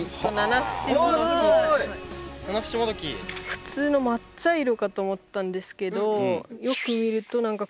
普通の真っ茶色かと思ったんですけどよく見ると何か細かい黒い点々が。